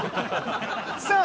さあ